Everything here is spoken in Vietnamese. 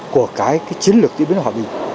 của cái chiến lược diễn biến hòa bình